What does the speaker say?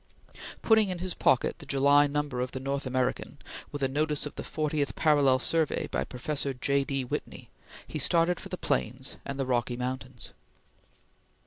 Putting in his pocket the July number of the North American, with a notice of the Fortieth Parallel Survey by Professor J. D. Whitney, he started for the plains and the Rocky Mountains.